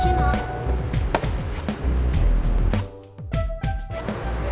makanan khas jawa barat